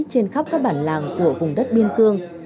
trên khắp các bản làng của vùng đất biên cương